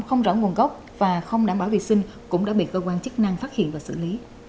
không rõ nguồn gốc và không đảm bảo vệ sinh cũng đã bị cơ quan chức năng phát hiện và xử lý